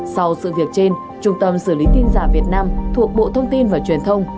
sau sự việc trên trung tâm xử lý tin giả việt nam thuộc bộ thông tin và truyền thông